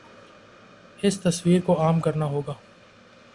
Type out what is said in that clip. اس تصور کو عام کرنا ہو گا۔